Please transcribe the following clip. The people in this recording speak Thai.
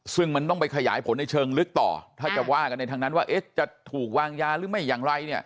ซึ่งมันต้องไปขยายผลในเชิงลึกต่อถ้าจะว่ากันในทางนั้นว่าจะถูกวางยาหรือไม่อย่างไร